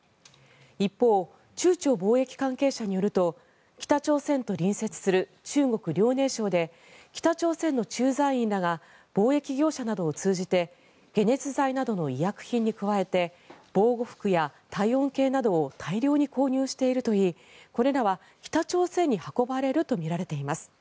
一方、中朝貿易関係者によると北朝鮮と隣接する中国・遼寧省で北朝鮮の駐在員らが貿易業者などを通じて解熱剤などの医薬品に加えて防護服や体温計などを大量に購入しているといいこれらは北朝鮮に運ばれるとみられています。